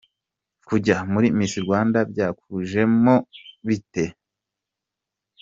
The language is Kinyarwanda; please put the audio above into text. Kujya muri Miss Rwanda byakujemo bite?.